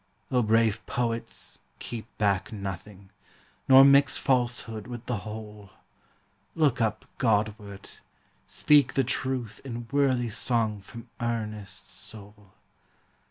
O brave poets, keep back nothing ; Nor mix falsehood with the whole ! Look up Godward! speak the truth in Worthy song from earnest soul